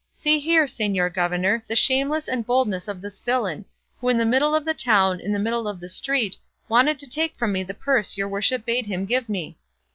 see here, señor governor, the shamelessness and boldness of this villain, who in the middle of the town, in the middle of the street, wanted to take from me the purse your worship bade him give me."